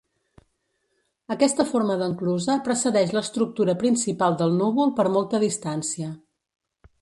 Aquesta forma d'enclusa precedeix l'estructura principal del núvol per molta distància.